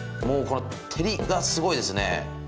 もうこの照りがすごいですね！